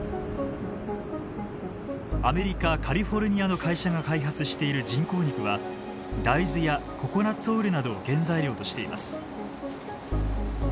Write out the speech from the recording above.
アメリカ・カリフォルニアの会社が開発している人工肉は大豆やココナツオイルなどを原材料としています。